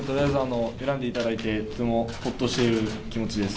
選んでいただいてとてもほっとしている気持ちです